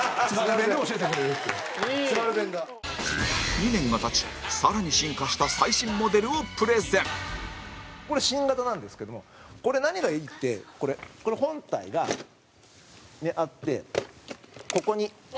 ２年が経ち、更に進化した最新モデルをプレゼン土田：これ、新型なんですけどもこれ、何がいいってこれ、本体があって、ここに。